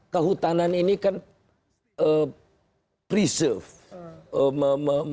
kehutanan ini kan preserve